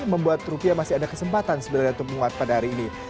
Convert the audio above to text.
membuat rupiah masih ada kesempatan sebenarnya untuk menguat pada hari ini